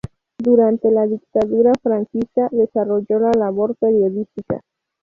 Durante la dictadura franquista desarrolló la labor periodística.